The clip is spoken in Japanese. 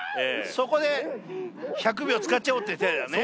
そこで１００秒使っちゃおうって手だよね